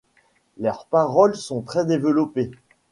Leur paroles sont très développées.